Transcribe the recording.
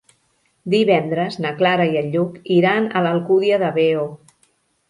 Divendres na Clara i en Lluc iran a l'Alcúdia de Veo.